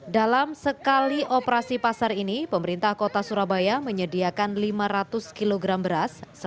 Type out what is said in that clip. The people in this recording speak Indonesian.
dalam sekali operasi pasar ini pemerintah kota surabaya menyediakan lima ratus kg beras